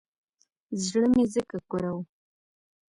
زړه مې ځکه کره و.